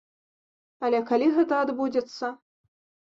Але калі гэта адбудзецца?